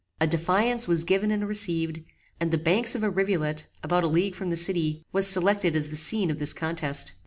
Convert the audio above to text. A defiance was given and received, and the banks of a rivulet, about a league from the city, was selected as the scene of this contest.